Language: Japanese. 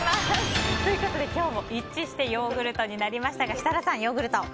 今日も一致してヨーグルトになりましたが設楽さん、ヨーグルト。